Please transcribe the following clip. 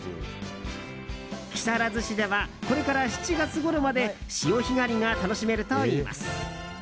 木更津市ではこれから７月ごろまで潮干狩りが楽しめるといいます。